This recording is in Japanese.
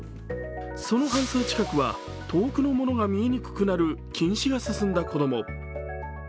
その半数近くは遠くのものが見えにくくなる近視が進んだ子供。